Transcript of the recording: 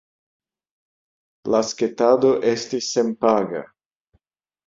La sketado estis senpaga.